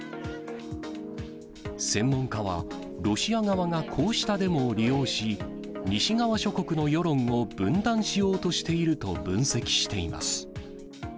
専門家は、ロシア側がこうしたデモを利用し、西側諸国の世論を分断しようとしていると分析しています。